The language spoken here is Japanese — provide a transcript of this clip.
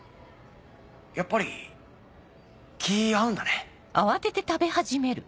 やっぱり気合うんだね。